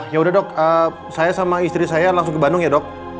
ya udah dok saya sama istri saya langsung ke bandung ya dok